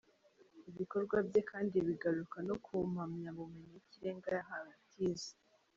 Ibikorwa bye kandi bigaruka no ku mpamyabumenyi y’ikirenga yahawe atize.